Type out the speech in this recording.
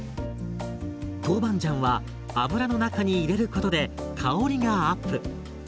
トウバンジャンは油の中に入れることで香りがアップ。